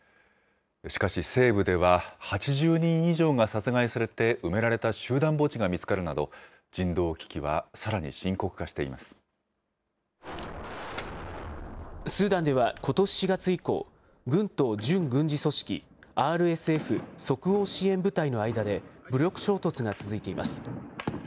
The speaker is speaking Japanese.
しかし西部では、８０人以上が殺害されて埋められた集団墓地が見つかるなど、人道スーダンではことし４月以降、軍と準軍事組織、ＲＳＦ・即応支援部隊の間で、武力衝突が続いています。